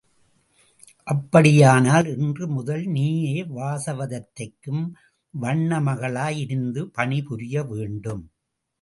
அப்படியானால் இன்று முதல் நீயே வாசவதத்தைக்கும் வண்ணமகளாய் இருந்து பணிபுரிய வேண்டும்.